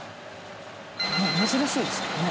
珍しいですもんね。